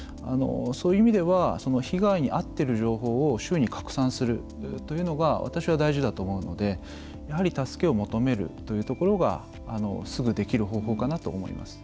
そういう意味では被害にあっている情報を周囲に拡散するというのが私は大事だと思うので、やはり助けを求めるというところがすぐにできる方法かと思います。